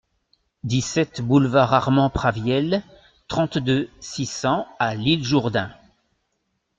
dix-sept boulevard Armand Praviel, trente-deux, six cents à L'Isle-Jourdain